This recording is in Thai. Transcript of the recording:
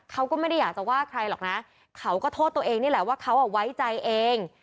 เขาก็ไม่ได้อยากจะว่าใครหรอกนะเขาก็โทษตัวเองนี่แหละว่าเขาไว้ใจเอง